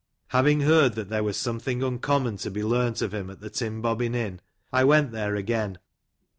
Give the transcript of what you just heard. Having heard that there was something uncommon to be learnt of him at the Tim Bobbin Inn, I went there again.